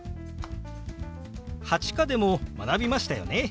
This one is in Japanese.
８課でも学びましたよね。